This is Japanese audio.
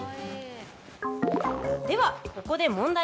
では、ここで問題。